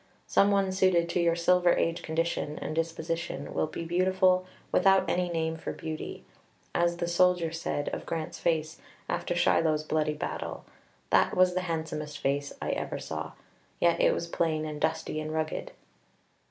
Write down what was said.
Some one suited to your silver age condition and disposition will be beautiful without any name for beauty; as the soldier said of Grant's face, after Shiloh's bloody battle, "That was the handsomest face I ever saw;" yet it was plain and dusty and rugged.